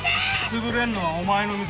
潰れんのはお前の店だ。